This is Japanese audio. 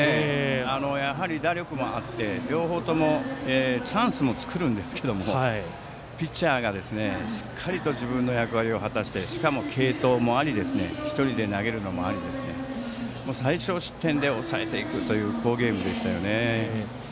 やはり打力もあって、両方ともチャンスも作るんですけどピッチャーがしっかりと自分の役割を果たしてしかも継投もあり１人で投げるのもあり最少失点で抑えていくという好ゲームでしたよね。